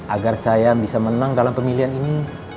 agar saya bisa menang dalam pemilihan ini